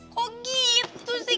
kok gitu sih